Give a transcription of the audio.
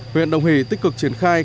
huyện đồng hỷ tích cực triển khai